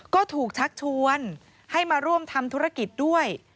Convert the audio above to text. ก็ถูกชักชวนให้มาร่วมทำธุรกิจด้วย